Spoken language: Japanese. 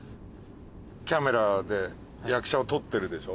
カメラで役者を撮ってるでしょ？